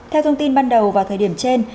theo thông tin ban đầu vào thời điểm trên